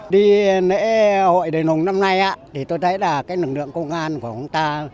đi lễ hội đền hùng năm nay tôi thấy là lực lượng công an của chúng ta